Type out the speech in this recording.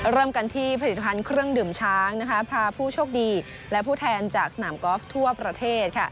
เริ่มกันที่ผลิตภัณฑ์เครื่องดื่มช้างพาผู้โชคดีและผู้แทนจากสนามกอล์ฟทั่วประเทศ